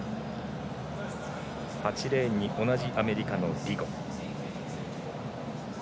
８レーンに同じアメリカのリゴ。